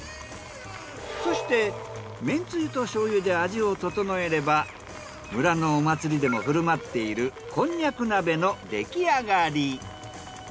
そしてめんつゆと醤油で味を調えれば村のお祭りでも振る舞っているこんにゃく鍋の出来上がり。